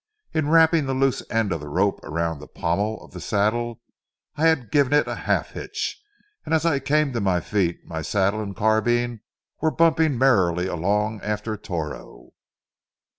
In wrapping the loose end of the rope around the pommel of the saddle, I had given it a half hitch, and as I came to my feet my saddle and carbine were bumping merrily along after Toro.